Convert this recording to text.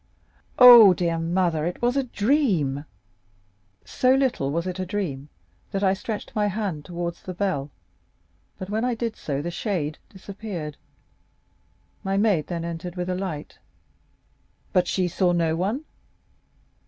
"Oh, dear mother, it was a dream." "So little was it a dream, that I stretched my hand towards the bell; but when I did so, the shade disappeared; my maid then entered with a light." "But she saw no one?"